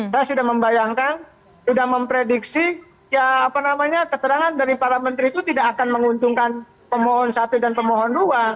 saya sudah membayangkan sudah memprediksi ya apa namanya keterangan dari para menteri itu tidak akan menguntungkan pemohon satu dan pemohon dua